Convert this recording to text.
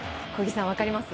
分かります？